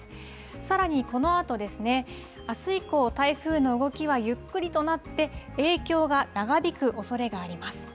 さらにこのあとですね、あす以降、台風の動きはゆっくりとなって、影響が長引くおそれがあります。